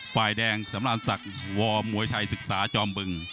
ฝ่ายแดงสำราญศักดิ์วอร์มวยไทยศึกษาจอมบึง